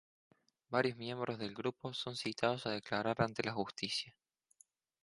Varios miembros del grupo son citados a declarar ante la Justicia.